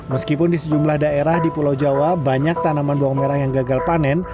meskipun di sejumlah daerah di pulau jawa banyak tanaman bawang merah yang gagal panen